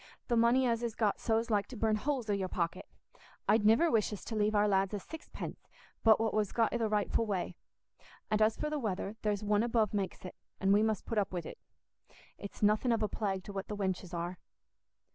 The money as is got so's like to burn holes i' your pocket. I'd niver wish us to leave our lads a sixpence but what was got i' the rightful way. And as for the weather, there's One above makes it, and we must put up wi't: it's nothing of a plague to what the wenches are."